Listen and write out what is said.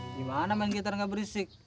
gimana main gitar nggak berisik